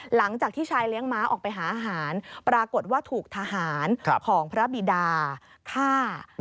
หลังจากที่ชายเลี้ยงม้าออกไปหาอาหารปรากฏว่าถูกทหารของพระบิดาฆ่า